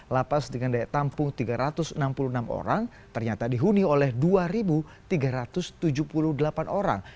lapas dengan daya tampung tiga ratus enam puluh enam orang ternyata dihuni oleh dua tiga ratus tujuh puluh delapan orang